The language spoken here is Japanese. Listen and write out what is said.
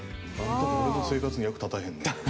俺の生活に役立たへん。